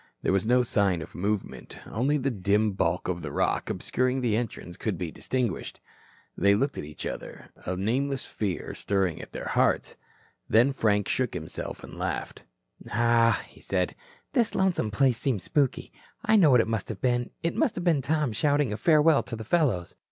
There was no sign of movement. Only the dim bulk of the rock obscuring the entrance could be distinguished. They looked at each other, a nameless fear stirring at their hearts. Then Frank shook himself and laughed. "Pshaw," said he, "this lonesome place seems spooky. I know what it must have been. It must have been Tom shouting a farewell to the fellows."